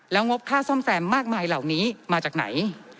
แล้วงบค่าซ่อมแซมมากมายเหล่านี้มาจากไหน